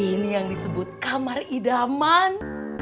ini yang disebut kamar idaman